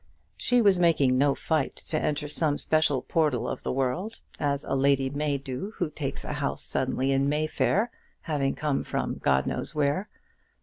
She was making no fight to enter some special portal of the world, as a lady may do who takes a house suddenly in Mayfair, having come from God knows where.